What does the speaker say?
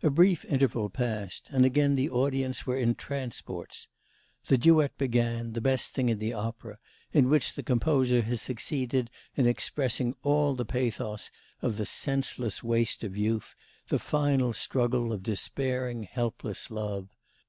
A brief interval passed and again the audience were in transports. The duet began, the best thing in the opera, in which the composer has succeeded in expressing all the pathos of the senseless waste of youth, the final struggle of despairing, helpless love.